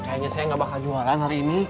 kayaknya saya nggak bakal jualan hari ini